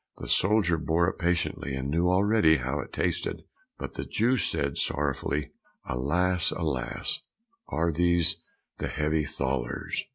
The soldier bore it patiently and knew already how it tasted, but the Jew said sorrowfully, "Alas, alas, are these the heavy thalers?"